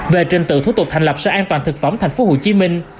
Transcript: về trình tựu thủ tục thành lập sở an toàn thực phẩm thành phố hồ chí minh